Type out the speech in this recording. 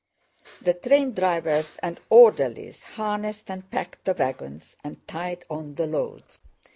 The train drivers and orderlies harnessed and packed the wagons and tied on the loads.